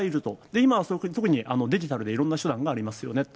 今は特にデジタルでいろんな手段がありますよねと。